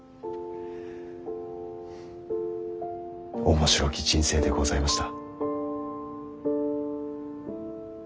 面白き人生でございました。